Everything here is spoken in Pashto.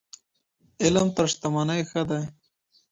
علم تر شتمنۍ ښه دی.